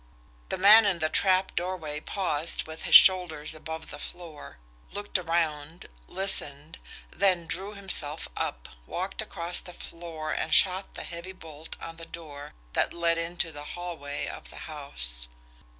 The man in the trap doorway paused with his shoulders above the floor, looked around, listened, then drew himself up, walked across the floor, and shot the heavy bolt on the door that led into the hallway of the house.